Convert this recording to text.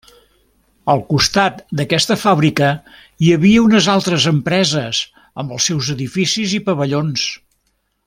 Al costat d’aquesta fàbrica hi havia unes altres empreses amb els seus edificis i pavellons.